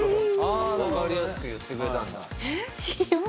分かりやすく言ってくれたんだ。